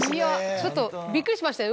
ちょっとびっくりしましたよ